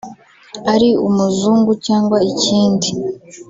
ari umuzungu cyangwa ikindi